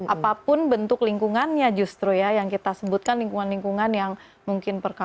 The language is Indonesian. apapun bentuk lingkungannya justru ya yang kita sebutkan lingkungan lingkungan yang mungkin perkawi